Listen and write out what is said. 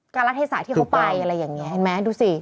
รัฐเทศะที่เขาไปอะไรอย่างนี้เห็นไหมดูสิ